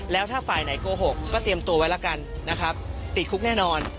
แล้วถ้าฝ่ายไหนโกหกก็เตรียมตัวไว้แล้วกันนะครับติดคุกแน่นอน